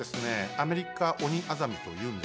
アメリカオニアザミというんですけども。